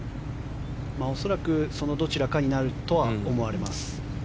恐らくそのどちらかになるとは思われます。